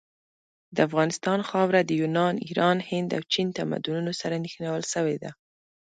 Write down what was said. د افغانستان خاوره د یونان، ایران، هند او چین تمدنونو سره نښلول سوي ده.